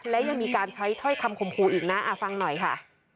และยังมีการใช้ถ้อยคำคมครูอีกนะฟังหน่อยค่ะ